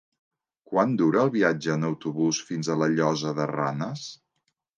Quant dura el viatge en autobús fins a la Llosa de Ranes?